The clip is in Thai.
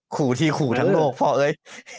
ขู่ที่ขู่ทั้งโลกพ่อเอ้ย